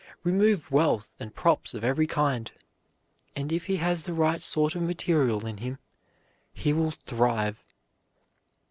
Remove wealth and props of every kind; and, if he has the right sort of material in him, he will thrive.